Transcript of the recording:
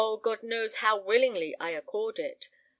God knows how willingly I accord it!